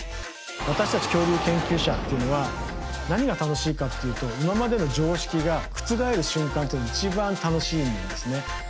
私たち恐竜研究者っていうのは何が楽しいかっていうと今までの常識が覆る瞬間っていうのが一番楽しいんですね。